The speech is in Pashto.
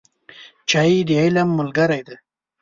چای د علم ملګری دی